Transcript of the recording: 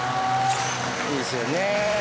いいっすよね。